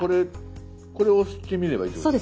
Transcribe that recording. これ押してみればいいってことですね。